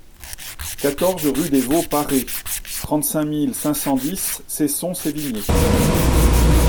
quatorze rue des Vaux Parés, trente-cinq mille cinq cent dix Cesson-Sévigné